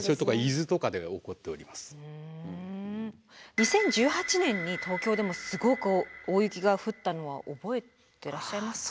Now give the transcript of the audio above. ２０１８年に東京でもすごく大雪が降ったのは覚えてらっしゃいますか。